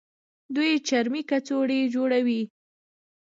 دوی چرمي کڅوړې جوړوي.